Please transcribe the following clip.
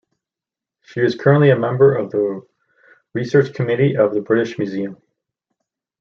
She is currently a member of the Research Committee of the British Museum.